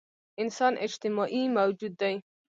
انسان اجتماعي موجود دی.